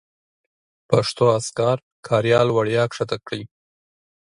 پښتو اذکار کاریال وړیا کښته کړئ